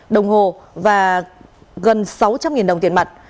đồng hồ và gần sáu trăm linh đồng tiền mặt